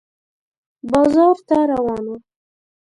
بازار ته روان و